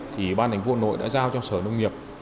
thì ban đảnh vua nội đã giao cho sở nông nghiệp